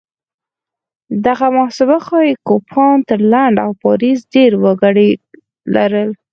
دغه محاسبه ښيي کوپان تر لندن او پاریس ډېر وګړي لرل.